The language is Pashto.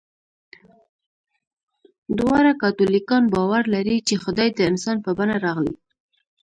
دواړه کاتولیکان باور لري، چې خدای د انسان په بڼه راغی.